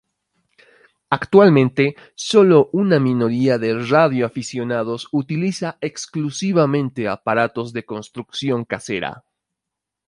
Actualmente, sólo una minoría de radioaficionados utiliza exclusivamente aparatos de construcción casera.